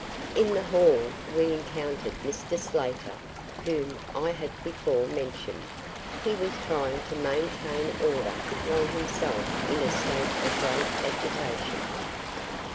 In the hall we encountered Mr. Slater, whom I have before mentioned. He was trying to maintain order while himself in a state of great agitation.